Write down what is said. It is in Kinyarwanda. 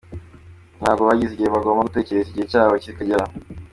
Ntabwo baziye igihe bagomba gutegereza igihe cyabo kikagera.